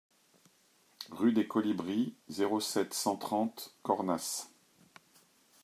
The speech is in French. Rue des Colibris, zéro sept, cent trente Cornas